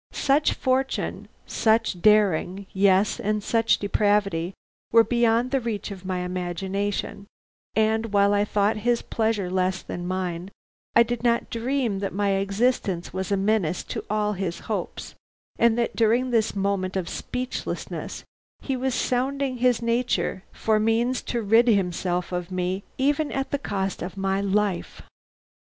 Such fortune, such daring, yes and such depravity, were beyond the reach of my imagination, and while I thought his pleasure less than mine, I did not dream that my existence was a menace to all his hopes, and that during this moment of speechlessness he was sounding his nature for means to rid himself of me even at the cost of my life.